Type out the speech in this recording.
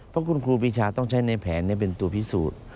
เพราะคุณครูปีชาต้องใช้ในแผนเป็นตัวพิสูจน์